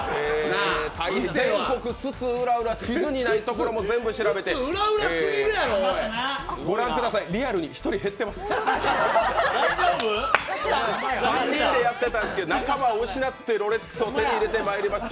大変、全国津々浦々地図にないところも調べてご覧ください、リアルに１人減ってます、３人でやってたんですけど仲間を失ってロレックスを手に入れてまいりました。